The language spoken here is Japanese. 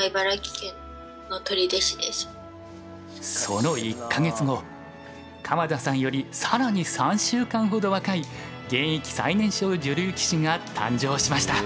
その１か月後鎌田さんより更に３週間ほど若い現役最年少女流棋士が誕生しました。